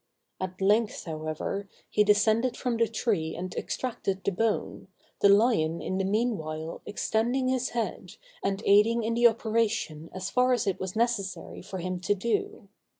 At length, however, he descended from the tree and extracted the bone, the lion in the mean while extending his head, and aiding in the operation as far as it was necessary for him to do.